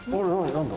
何だ？